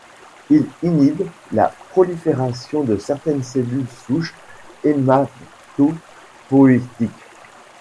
Il inhibe la prolifération de certaines cellules souches hématopoïétique.